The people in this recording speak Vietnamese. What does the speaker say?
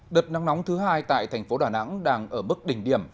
đợt nắng nóng thứ hai tại thành phố đà nẵng đang ở mức đỉnh điểm